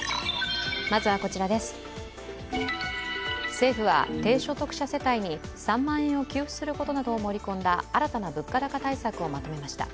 政府は低所得者世帯に３万円を給付することなどを盛り込んだ新たな物価高対策をまとめました。